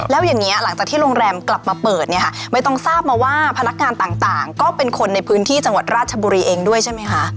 แล้วอย่างนี้หลังจากที่โรงแรมกลับมาเปิดเนี่ยค่ะไม่ต้องทราบมาว่าพนักงานต่างก็เป็นคนในพื้นที่จังหวัดราชบุรีเองด้วยใช่ไหมคะ